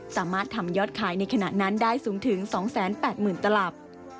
สามารถทำยอดขายในขณะนั้นได้สูงถึง๒๘๐๐๐ตลับ